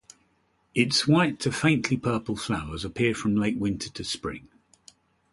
Its white to faintly purple flowers appear from late winter to spring.